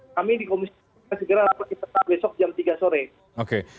kami dikomunikasi segera sampai besok jam tiga sore